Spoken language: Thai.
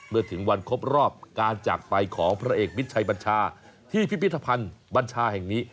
เมื่อถึงวันครบรอบการจากไปของพระเอกมิตรชัยบัญชาที่พิพิธภัณฑ์บัญชาแห่งนี้